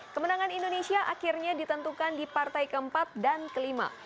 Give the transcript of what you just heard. kemenangan indonesia akhirnya ditentukan di partai keempat dan kelima